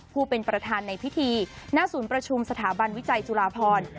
ผู้เป็นประธานในพิธีหน้าศูนย์ประชุมสถาบันวิจัยจุฬาพร